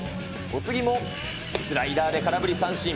お次もスライダーで空振り三振。